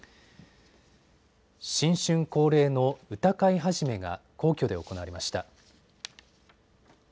新春恒例の歌会始が皇居で行われました。